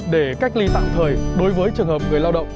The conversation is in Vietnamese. để cách ly tạm thời đối với trường hợp người lao động